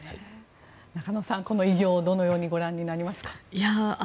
中野さん、この偉業をどのようにご覧になりますか。